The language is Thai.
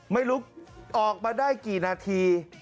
ไม่รู้ออกมาได้กี่นาที